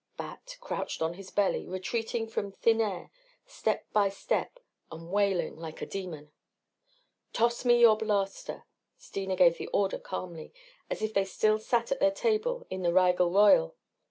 Bat, crouched on his belly, retreating from thin air step by step and wailing like a demon. "Toss me your blaster." Steena gave the order calmly as if they still sat at their table in the Rigel Royal.